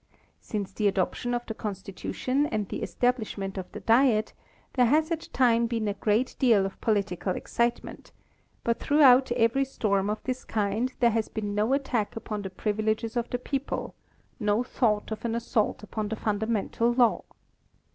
Since the adoption of the constitution and the establishment of the diet there has at times been a great deal of political excitement, but throughout every storm of this kind there has been no attack upon the privileges of the people, mo thought of an assault upon the fundamental law.